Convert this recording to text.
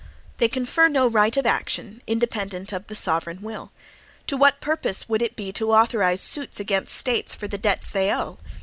They confer no right of action, independent of the sovereign will. To what purpose would it be to authorize suits against States for the debts they owe?